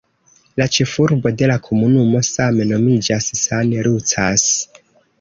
La ĉefurbo de la komunumo same nomiĝas "San Lucas".